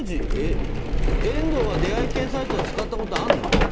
遠藤は出会い系サイト使ったことあるの？